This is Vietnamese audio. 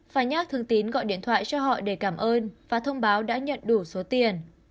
phải nhắc thường tín gọi điện thoại cho họ để cảm ơn và thông báo đã nhận đủ số tiền